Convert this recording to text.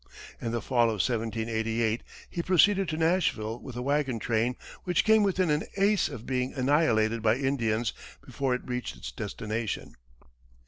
In the fall of 1788, he proceeded to Nashville with a wagon train which came within an ace of being annihilated by Indians before it reached its destination.